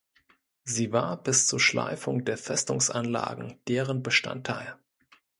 Sie war bis zur Schleifung der Festungsanlagen deren Bestandteil.